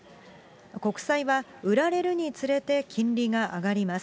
国債は売られるにつれて金利が上がります。